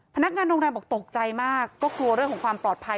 พนักงานโรงแรมบอกตกใจมากก็กลัวเรื่องของความปลอดภัย